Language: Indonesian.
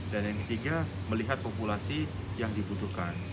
dan yang ketiga melihat populasi yang dibutuhkan